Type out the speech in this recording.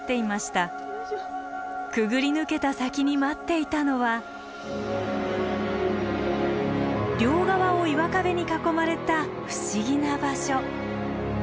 くぐり抜けた先に待っていたのは両側を岩壁に囲まれた不思議な場所。